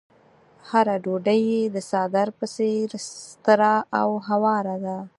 هره ډوډۍ يې د څادر په څېر ستره او هواره ده.